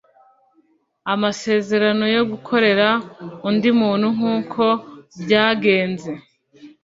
Amasezerano yo gukorera undi muntu nkuko byagenze